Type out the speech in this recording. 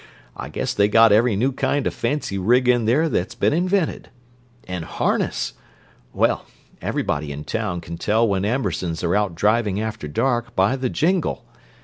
I guess they got every new kind of fancy rig in there that's been invented. And harness—well, everybody in town can tell when Ambersons are out driving after dark, by the jingle.